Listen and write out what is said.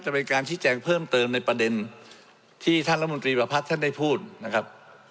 เป็นการชี้แจงเพิ่มเติมในประเด็นที่ท่านรัฐมนตรีประพัทธ์ท่านได้พูดนะครับ